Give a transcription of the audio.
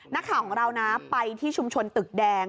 นักข่าวของเรานะไปที่ชุมชนตึกแดง